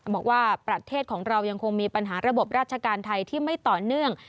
บอกว่าประเทศของเรายังคงมีปัญหาระบบราชการไทยที่ไม่ต่อเนื่อง